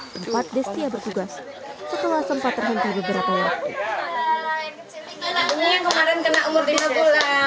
tempat destia bertugas setelah sempat terhenti beberapa waktu